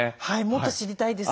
もっと知りたいです。